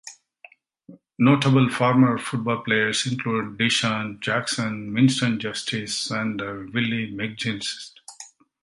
Notable former football players include DeSean Jackson, Winston Justice, and Willie McGinest.